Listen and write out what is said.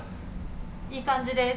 いい感じです。